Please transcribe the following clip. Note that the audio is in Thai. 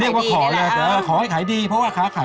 ลูกค้าเยอะผมก็ถือว่าโอเคแล้ว